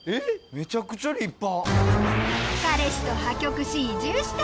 めちゃくちゃ立派！